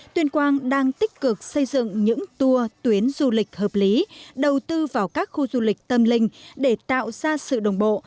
tuyên quang đang tích cực xây dựng những tour tuyến du lịch hợp lý đầu tư vào các khu du lịch tâm linh để tạo ra sự đồng bộ